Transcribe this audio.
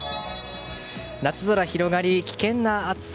夏空広がり危険な暑さ。